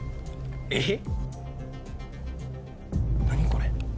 これ。